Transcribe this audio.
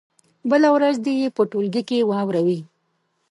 بله ورځ دې یې په ټولګي کې واوروي.